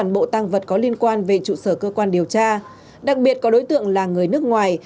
bộ tăng vật có liên quan về trụ sở cơ quan điều tra đặc biệt có đối tượng là người nước ngoài